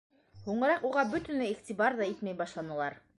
Һуңыраҡ уға бөтөнләй иғтибар ҙа итмәй башланылар.